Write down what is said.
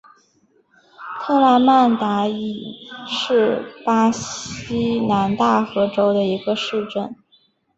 特拉曼达伊是巴西南大河州的一个市镇。